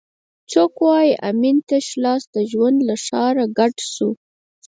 څوک وایي امین تش لاس د ژوند له ښاره کډه شو؟